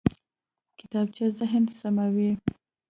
کتابچه ذهن سموي